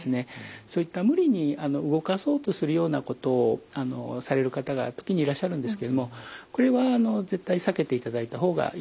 そういった無理に動かそうとするようなことをされる方が時にいらっしゃるんですけれどもこれは絶対避けていただいた方がいいと思います。